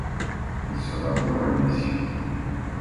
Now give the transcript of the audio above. Il sera bon à l'émission.